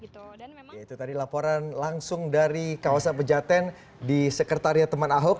itu tadi laporan langsung dari kawasan pejaten di sekretariat teman ahok